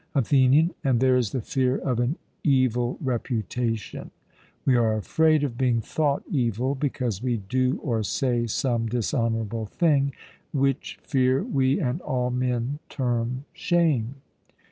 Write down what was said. ATHENIAN: And there is the fear of an evil reputation; we are afraid of being thought evil, because we do or say some dishonourable thing, which fear we and all men term shame.